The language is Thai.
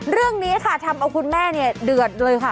เรื่องนี้ค่ะทำเอาคุณแม่เนี่ยเดือดเลยค่ะ